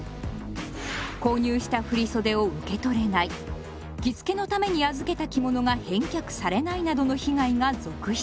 購入した振袖を受け取れない着付けのために預けた着物が返却されないなどの被害が続出。